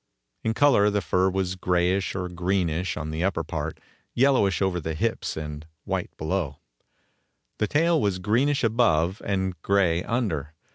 In color the fur was grayish or greenish on the upper part, yellowish over the hips and white below. The tail was greenish above and gray under.